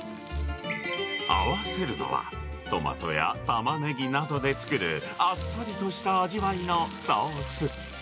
合わせるのは、トマトやタマネギなどで作る、あっさりとした味わいのソース。